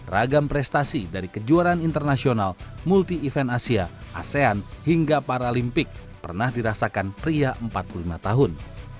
ragam prestasi dari kejuaraan internasional multi event asia asean hingga paralimpik pernah dirasakan pria empat puluh lima tahun